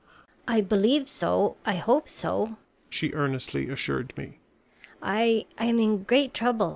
"I believe so, I hope so," she earnestly assured me. "I I am in great trouble.